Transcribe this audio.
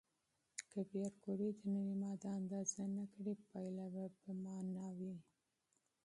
که پېیر کوري د نوې ماده اندازه نه کړي، پایله به بې معنا وي.